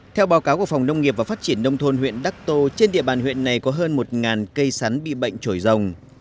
theo báo cáo của phòng nông nghiệp và phát triển nông thôn huyện đắc tô trên địa bàn huyện này có hơn một cây sắn bị bệnh trồi rồng